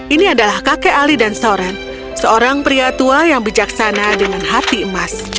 ini adalah kakek ali dan soren seorang pria tua yang bijaksana dengan hati emas